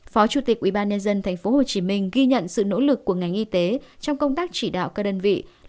phó chủ tịch ubnd tp hcm ghi nhận sự nỗ lực của ngành y tế trong công tác chỉ đạo các đơn vị